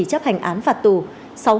chấp hành án phạt tù